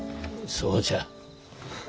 そうじゃ。